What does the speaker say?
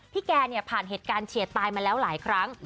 แกเนี่ยผ่านเหตุการณ์เฉียดตายมาแล้วหลายครั้ง